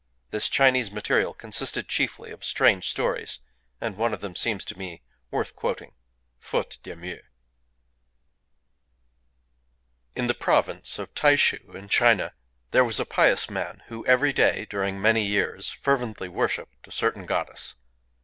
This Chinese material consisted chiefly of strange stories; and one of them seems to me worth quoting,—faute de mieux. In the province of Taishū, in China, there was a pious man who, every day, during many years, fervently worshiped a certain goddess.